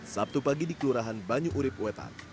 sabtu pagi di kelurahan banyu urib uetan